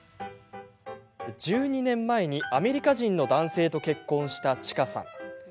１２年前にアメリカ人の男性と結婚した、ちかさん。